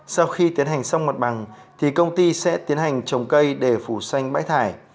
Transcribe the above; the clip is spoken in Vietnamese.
sau khi tiến hành xong mặt bằng thì công ty sẽ tiến hành trồng cây để phủ xanh bãi thải